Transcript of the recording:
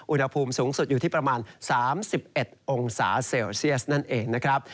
อุณหภูมิสูงสุดอยู่ที่ประมาณ๓๑องศาเซลเซียสนั่นเองนะครับ